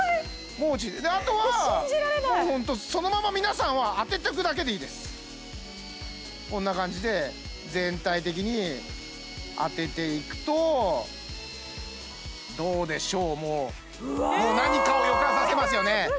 もう落ちであとは信じられないホントそのまま皆さんは当てとくだけでいいですこんな感じで全体的に当てていくとどうでしょうもうもう何かを予感させますよねえっ